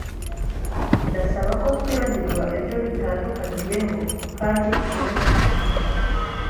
Ndasaba ko twibagirwa ibyo dutandukaniyeho kandi tugerageza gufatanya.